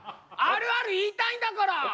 あるある言いたいんだから！